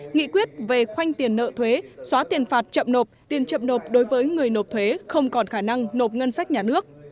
nghị quyết về khoanh tiền nợ thuế xóa tiền phạt chậm nộp tiền chậm nộp đối với người nộp thuế không còn khả năng nộp ngân sách nhà nước